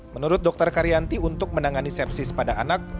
menurut dokter karyanti untuk menangani sepsis pada anak